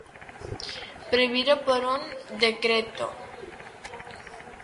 ¡Prohibido por un decreto!